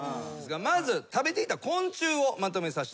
まず食べていた昆虫をまとめさせていただきました。